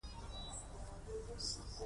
د هغې له خولې خبر شوم چې هغه اوس مصروفه ده.